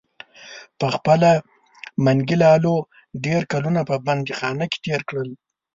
پخپله منګي لالو ډیر کلونه په بندیخانه کې تیر کړل.